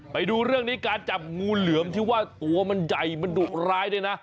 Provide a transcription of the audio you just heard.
ไปดูเรื่องนี้การจับงูเหลือมที่ว่าตัวมันใหญ่มันดุร้ายด้วยนะ